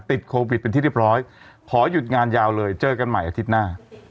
ติดโควิดเป็นที่เรียบร้อยขอหยุดงานยาวเลยเจอกันใหม่อาทิตย์หน้า